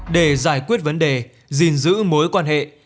để giải quyết vấn đề gìn giữ mối quan hệ